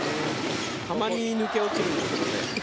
たまに抜け落ちるんですけどね。